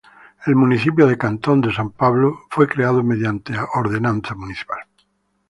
El municipio de Cantón de San Pablo fue creado mediante Ordenanza No.